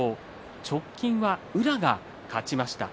直近は宇良が勝ちました。